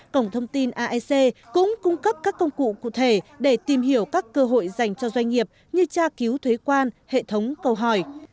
cổng thông tin aec cũng cung cấp các công cụ cụ thể để tìm hiểu các cơ hội dành cho doanh nghiệp như tra cứu thuế quan hệ thống câu hỏi